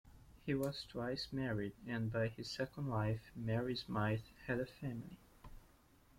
He was twice married, and by his second wife, Mary Smythe, had a family.